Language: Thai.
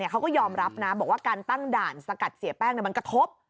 เขาก็ยอมรับนะบอกว่าการตั้งด่านสกัดเสียแป้งมันกระทบ